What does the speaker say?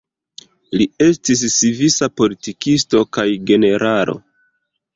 Li estis svisa politikisto kaj generalo.